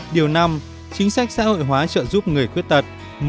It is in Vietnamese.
điều năm chính sách xã hội hóa trợ giúp người khuyết tật